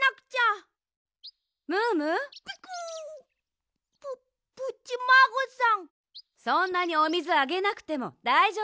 そんなにおみずあげなくてもだいじょうぶよ。